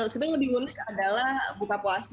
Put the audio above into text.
sebenarnya lebih unik adalah buka puasa ya